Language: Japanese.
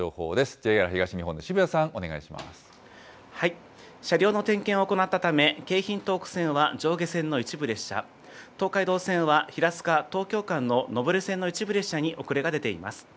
ＪＲ東日本の渋谷さん、お願いし車両の点検を行ったため、京浜東北線は上下線の一部列車、東海道線は平塚・東京間の上り線の一部列車に遅れが出ています。